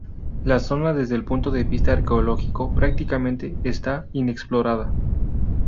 La zona desde el punto de vista arqueológico prácticamente está inexplorada.